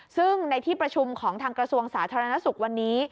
ซึ่งในที่ประชุมของทางกระทรวงสาธารณสุขวันนี้